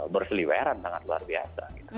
berseliweran sangat luar biasa